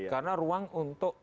karena ruang untuk